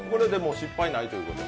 失敗ないということで。